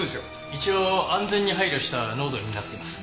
一応安全に配慮した濃度になっています。